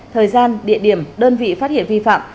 thời gian địa điểm đơn vị phát hiện vi phạm